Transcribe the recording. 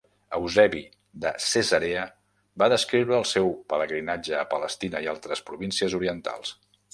Eusebi de Cesarea va descriure el seu pelegrinatge a Palestina i a altres províncies orientals.